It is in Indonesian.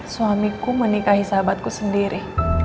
suamiku menikahi sahabatku sendiri